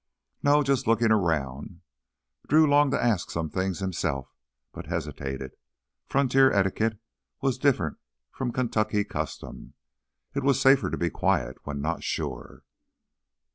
"No, just lookin' around." Drew longed to ask some things himself, but hesitated. Frontier etiquette was different from Kentucky custom; it was safer to be quiet when not sure.